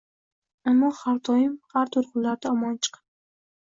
Ammo har doim ular to‘lqinlardan omon chiqib